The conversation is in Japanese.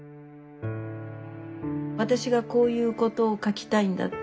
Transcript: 私がこういうことを書きたいんだ。